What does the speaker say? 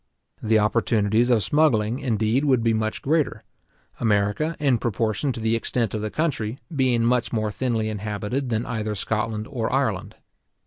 The opportunities of smuggling, indeed, would be much greater; America, in proportion to the extent of the country, being much more thinly inhabited than either Scotland or Ireland.